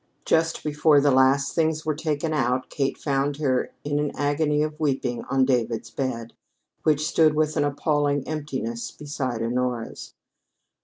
Just before the last things were taken out, Kate found her in an agony of weeping on David's bed, which stood with an appalling emptiness beside Honora's.